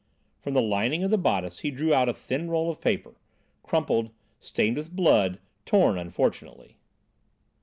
From the lining of the bodice he drew out a thin roll of paper, crumpled, stained with blood, torn unfortunately.